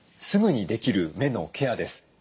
すぐにできる目のケアです。